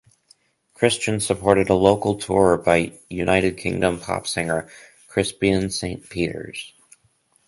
Kristian supported a local tour by United Kingdom pop singer, Crispian Saint Peters.